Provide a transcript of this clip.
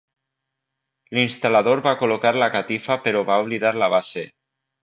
L'instal·lador va col·locar la catifa però va oblidar la base.